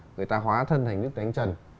người ta hóa thân thành đức thánh trần